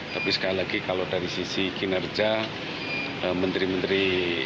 tapi sekali lagi kalau dari sisi kinerja menteri menteri